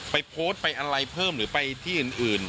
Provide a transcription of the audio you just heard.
ไปโพสต์ไปอะไรเพิ่มหรือไปที่อื่น